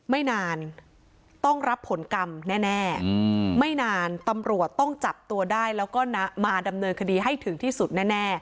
ไม่นานต้องรับผลกรรมแน่ไม่นานตำรวจต้องจับตัวได้แล้วก็มาดำเนินคดีให้ถึงที่สุดแน่